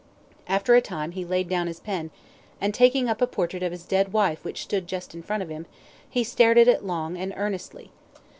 After a time he laid down his pen, and taking up a portrait of his dead wife which stood just in front of him, he stared at it long and earnestly.